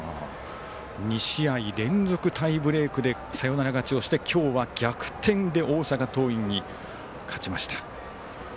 ２試合連続タイブレークでサヨナラ勝ちをして今日は逆転で大阪桐蔭に勝ちました。